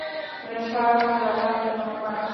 رشاد نورآغا نیک محمد